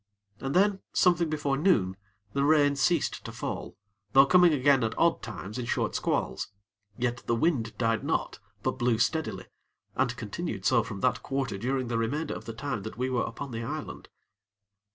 And then, something before noon, the rain ceased to fall, though coming again at odd times in short squalls; yet the wind died not, but blew steadily, and continued so from that quarter during the remainder of the time that we were upon the island.